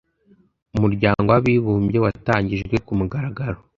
Umuryango wabibumbye watangijwe kumugaragaro